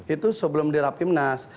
itu sebelum dirapimnas